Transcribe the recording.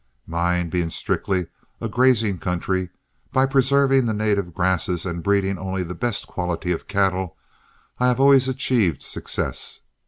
Mine being strictly a grazing country, by preserving the native grasses and breeding only the best quality of cattle, I have always achieved success.